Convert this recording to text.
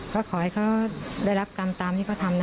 ก็ขอให้เขาได้รับกรรมตามที่เขาทำนะ